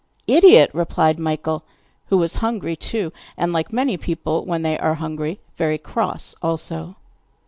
'Idiot!' replied Michael, who was hungry too, and, like many people when they are hungry, very cross also.